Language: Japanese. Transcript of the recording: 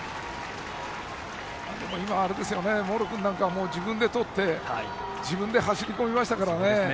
今、茂呂君は自分でとって自分で走り込みましたからね。